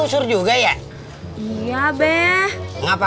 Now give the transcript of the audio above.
ini pasgeschiknya sampe